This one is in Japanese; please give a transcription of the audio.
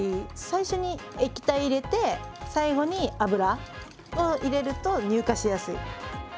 最初に液体入れて最後に油を入れると乳化しやすい。